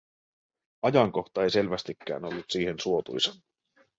Ajankohta ei selvästikään ollut siihen suotuisa.